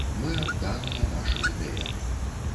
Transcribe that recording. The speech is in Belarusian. Мы адданыя нашым ідэям.